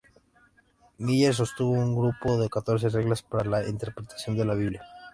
Miller sostuvo un grupo de catorce reglas para la interpretación de la "Biblia".